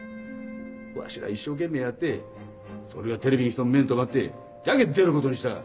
わしら一生懸命やってそれがテレビん人の目に留まってじゃけぇ出ることにした。